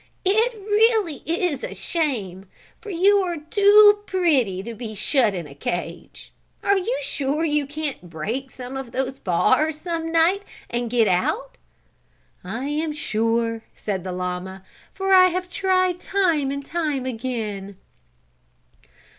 "It really is a shame, for you are too pretty to be shut in a cage. Are you sure you can't break some of those bars some night and get out?" "I am sure," said the llama, "for I have tried time and again."